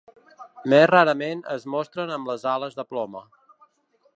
Més rarament, es mostren amb les ales de ploma.